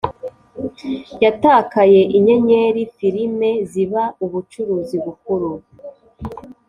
yatakaye inyenyeri: filime ziba ubucuruzi bukuru